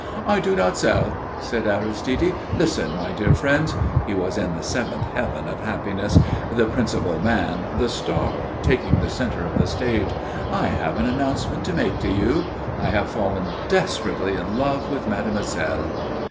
"I do not sell," said Aristide. "Listen, my dear friends!" He was in the seventh heaven of happiness the principal man, the star, taking the centre of the stage. "I have an announcement to make to you. I have fallen desperately in love with mademoiselle."